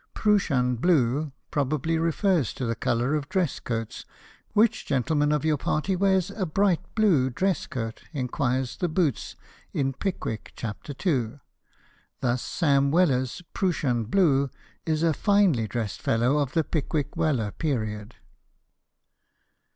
"Prooshan blue" probably refers to the colour of dress coats. "Which gentleman of your party wears a bright blue dress coat?" enquires The Boots, in 'Pickwick,' Chapter II. Thus Sam Weller's "Prooshan Blue" is a finely dressed fellow of the Pickwick Weller period.